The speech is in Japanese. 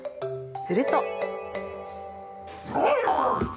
すると。